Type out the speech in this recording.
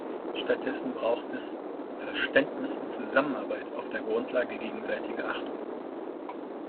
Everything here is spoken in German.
Stattdessen braucht es Verständnis und Zusammenarbeit auf der Grundlage gegenseitiger Achtung.